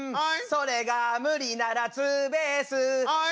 それが無理ならツーベースあい。